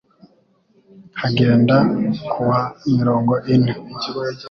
nkagenda ku wa mirongo ine